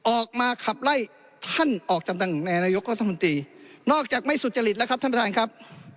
ออกมาขับไล่ท่านออกจำนักแนวนายกครับท่านคุณตีนอกจากไม่สุจริตแล้วครับท่านประธานครับ